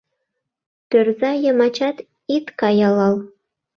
Тӧрза йымачат ит каялал